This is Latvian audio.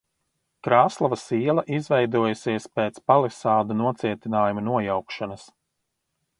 Krāslavas iela izveidojusies pēc palisādu nocietinājumu nojaukšanas.